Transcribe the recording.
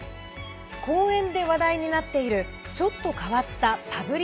公園で話題になっているちょっと変わった「キャッチ！